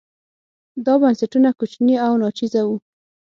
دا بنسټونه کوچني او ناچیزه وو.